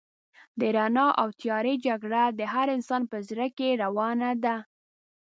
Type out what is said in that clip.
د رڼا او تيارې جګړه د هر انسان په زړه کې روانه ده.